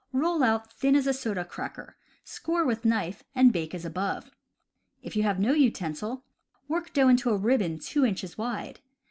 Roll out thin as a soda cracker, score with knife, and bake as above. If you have no utensil, work dough into a ribbon two inches wide.